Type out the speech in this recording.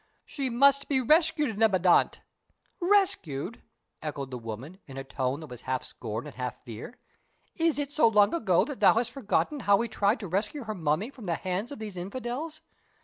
She must be rescued, Neb Anat." "Rescued?" echoed the woman, in a tone that was half scorn and half fear. "Is it so long ago that thou hast forgotten how we tried to rescue her mummy from the hands of these infidels?